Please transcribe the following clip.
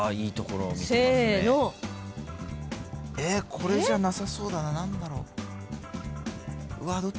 これじゃなさそうだな何だろう。